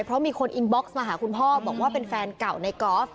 เพราะมีคนอินบ็อกซ์มาหาคุณพ่อบอกว่าเป็นแฟนเก่าในกอล์ฟ